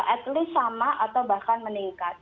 at least sama atau bahkan meningkat